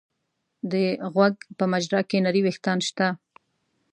د غوږ په مجرا کې نري وېښتان شته.